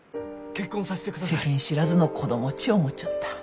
世間知らずの子供っち思っちょった。